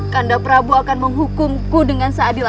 kanda prabu akan menghukumku dengan seadil adilnya